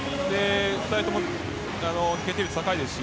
２人とも、決定率が高いですし。